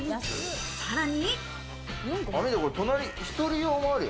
さらに。